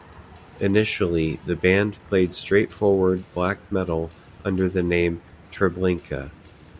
Initially, the band played straightforward black metal under the name Treblinka.